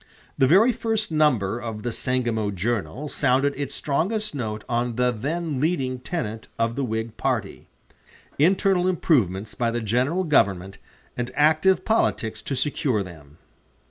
The very first number of the "Sangamo Journal" sounded its strongest note on the then leading tenet of the Whig party internal improvements by the general government, and active politics to secure them.